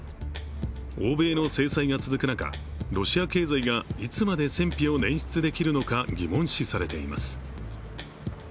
欧米の制裁が続く中、ロシア経済がいつまで戦費を捻出できるのか、疑問視されています。